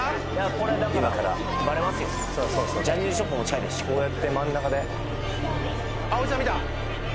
今からジャニーズショップも近いですしこうやって真ん中であっおじさん見た